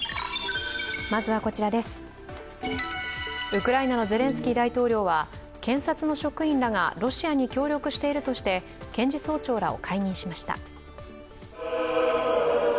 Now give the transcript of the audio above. ウクライナのゼレンスキー大統領が検察の職員らがロシアに協力しているとして検事総長らを解任しました。